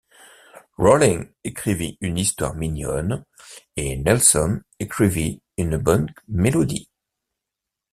Rolling écrivit une histoire mignonne, et Nelson écrivit une bonne mélodie.